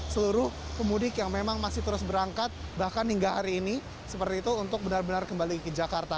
seluruh pemudik yang memang masih terus berangkat bahkan hingga hari ini seperti itu untuk benar benar kembali ke jakarta